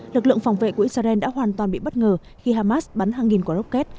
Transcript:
lực lượng phòng vệ của israel đã hoàn toàn bị bất ngờ khi hamas bắn hàng nghìn quả rocket